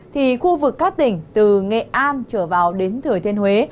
thì khu vực các tỉnh từ nghệ an trở vào đến thừa thiên huế